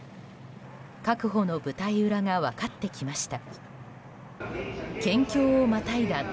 確保の舞台裏が分かってきました。